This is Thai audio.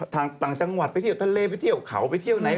ต่างจังหวัดไปเที่ยวทะเลไปเที่ยวเขาไปเที่ยวไหน